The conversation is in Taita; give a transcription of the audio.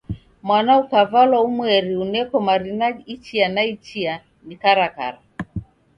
Mwana ukavalwa umweri uneko marina ichia na ichia ni karakara.